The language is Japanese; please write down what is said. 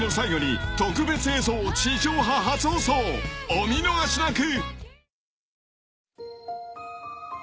［お見逃しなく］